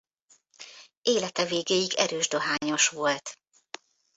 Élete végéig erős dohányos volt.